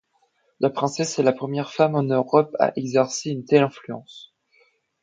La princesse est la première femme en Europe à exercer une telle influence.